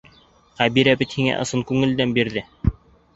Хәбирә бит һиңә ысын күңелдән бирҙе.